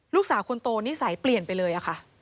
ลูกสาวคนโตนิสัยเปลี่ยนไปเลยค่ะ